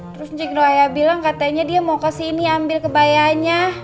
terus cinggiruahaya bilang katanya dia mau kesini ambil kebayanya